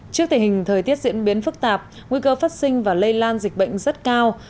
trước tình hình thời tiết diễn biến phức tạp nguy cơ phát sinh và lây lan dịch bệnh rất cao